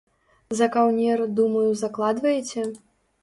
За каўнер, думаю, закладваеце?